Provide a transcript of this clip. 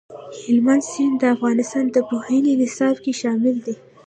هلمند سیند د افغانستان د پوهنې نصاب کې شامل دي.